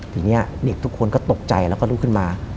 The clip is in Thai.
ทีนี้เด็กทุกคนก็ตกใจแล้วก็ลุกขึ้นมา